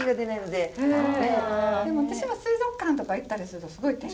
でも私は水族館とか行ったりするとすごいテンション。